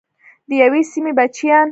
د یوې سیمې بچیان.